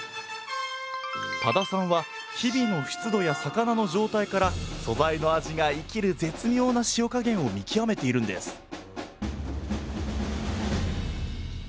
多田さんは日々の湿度や魚の状態から素材の味が生きる絶妙な塩加減を見極めているんです